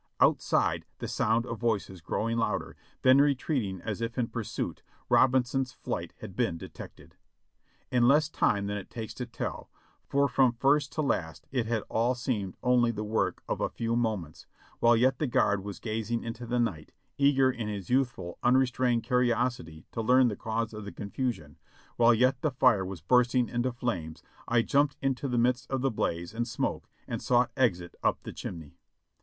Outside, the sound of voices growing louder, then retreating as if in pursuit, showed Robinson's flight had been detected. In less time than it takes to tell, for from first to last it had all seemed only the 512 JOHNNY REB and BILIvY YANK work of a few moments, while yet the guard was gazing into the night, eager in his youthful, unrestrained curiosity to learn the cause of the confusion, while yet the fire was bursting into flames, I jumped into the midst of the blaze and smoke and sought exit up the chimney.